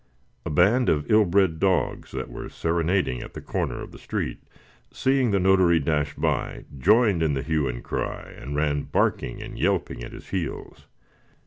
A band of ill bred dogs, that were serenading at a corner of the street, seeing the notary dash by, joined in the hue and cry, and ran barking and yelping at his heels.